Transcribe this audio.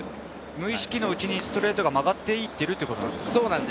無意識のうちにストレートが曲がっていっているんですか？